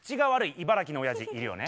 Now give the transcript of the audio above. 茨城のおやじいるよね。